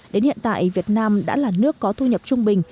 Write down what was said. đến hiện tại việt nam đã là nước có thu nhập trung bình